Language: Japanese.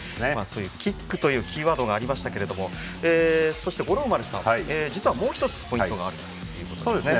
キックというキーワードがありましたけど五郎丸さん、実はもう１つポイントがあるということなんですね。